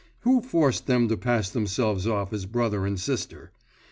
Who forced them to pass themselves off as brother and sister?